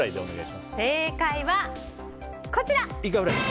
正解は、こちら。